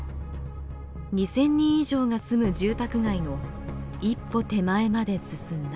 ２，０００人以上が住む住宅街の一歩手前まで進んだ。